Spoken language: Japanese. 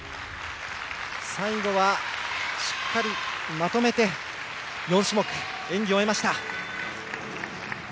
最後は、しっかりとまとめて４種目、演技を終えました。